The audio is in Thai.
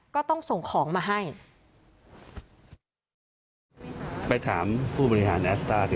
ก็ต้องส่งของมาให้